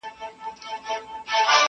• ما اخیستی دا عادت دی له خیامه,